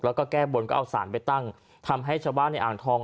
แล้วก็แก้บนก็เอาสารไปตั้งทำให้ชาวบ้านในอ่างทอง